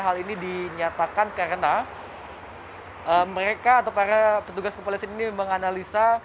hal ini dinyatakan karena mereka atau para petugas kepolisian ini menganalisa